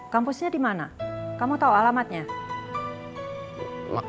kampusnya di mana kamu tahu alamatnya